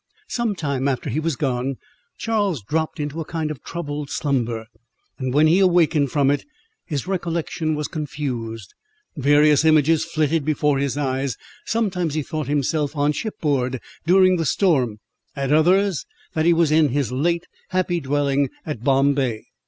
Some time after he was gone, Charles dropped into a kind of troubled slumber; and when he awakened from it, his recollection was confused. Various images flitted before his eyes; sometimes he thought himself on shipboard during the storm; at others, that he was in his late happy dwelling at Bombay.